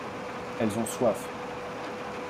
Elles ont soif.